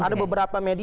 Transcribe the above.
ada beberapa media